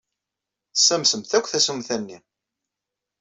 Tessamsemt akk tasumta-nni!